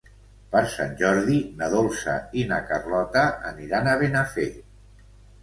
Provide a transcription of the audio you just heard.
Per Sant Jordi na Dolça i na Carlota aniran a Benafer.